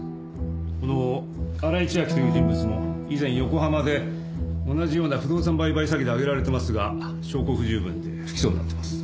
この新井千晶という人物も以前横浜で同じような不動産売買詐欺で挙げられてますが証拠不十分で不起訴になってます。